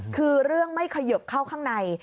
คือเรื่องไม่เขยิบเข้าข้างใน